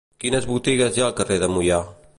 Quines botigues hi ha al carrer de Moià?